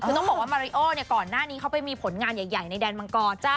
คือต้องบอกว่ามาริโอเนี่ยก่อนหน้านี้เขาไปมีผลงานใหญ่ในแดนมังกร